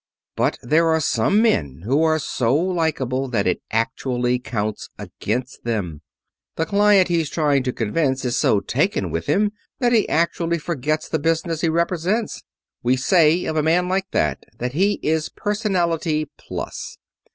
But there are some men who are so likable that it actually counts against them. The client he's trying to convince is so taken with him that he actually forgets the business he represents. We say of a man like that that he is personality plus.